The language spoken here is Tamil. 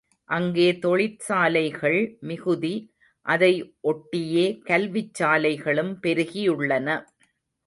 அங்கே தொழிற்சாலைகள் மிகுதி அதை ஒட்டியே கல்விச்சாலைகளும் பெருகியுள்ளன.